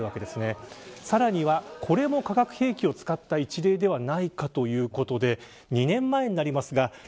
さらには、これも化学兵器を使った１例ではないかということです。